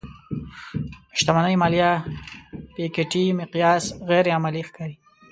شتمنۍ ماليه پيکيټي مقیاس غیر عملي ښکاري.